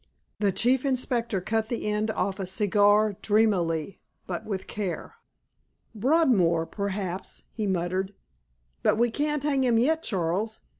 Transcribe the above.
The Chief Inspector cut the end off a cigar dreamily but with care. "Broadmoor—perhaps," he muttered. "But we can't hang him yet, Charles.